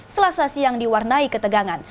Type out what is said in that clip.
selasa siang diwarnai ketegangan